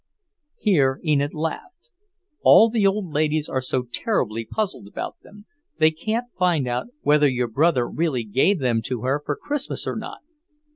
Here Enid laughed. "All the old ladies are so terribly puzzled about them; they can't find out whether your brother really gave them to her for Christmas or not.